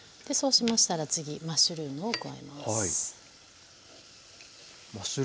でそうしましたら次マッシュルームを加えます。